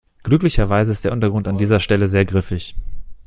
Glücklicherweise ist der Untergrund an dieser Stelle sehr griffig.